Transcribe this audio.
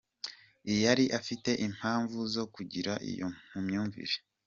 I yari afite impamvu zo kugira iyo myumvire.